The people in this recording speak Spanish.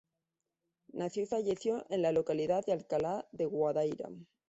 Nació y falleció en la localidad de Alcalá de Guadaíra.